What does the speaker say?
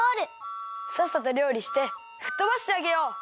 さっさとりょうりしてふっとばしてあげよう！